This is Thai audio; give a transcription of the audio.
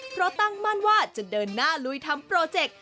เพราะตั้งมั่นว่าจะเดินหน้าลุยทำโปรเจค